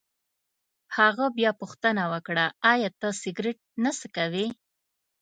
هغه بیا پوښتنه وکړه: ایا ته سګرېټ نه څکوې؟